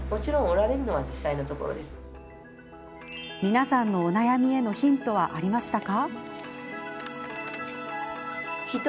皆さんのお悩みへのヒントはありましたか？